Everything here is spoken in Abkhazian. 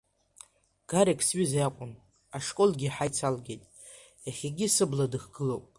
Гарик сҩыза иакәын, ашколгьы ҳаицалгеит, иахьагьы сыбла дыхгылоуп.